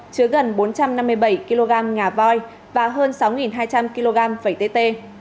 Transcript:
chứa gần bốn trăm năm mươi bảy kg ngà voi và hơn sáu hai trăm linh kg vẩy tê